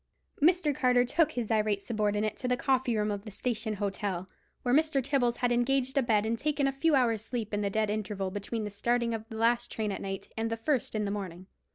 Mr. Carter took his irate subordinate to the coffee room of the Station Hotel, where Mr. Tibbles had engaged a bed and taken a few hours' sleep in the dead interval between the starting of the last train at night and the first in the morning.